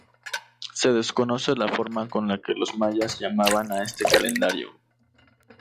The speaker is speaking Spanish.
Se desconoce la forma con la que los mayas llamaban a este calendario.